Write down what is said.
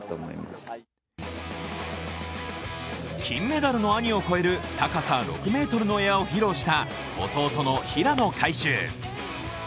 金メダルの兄を超える高さ６ｍのエアを披露した弟の平野海祝。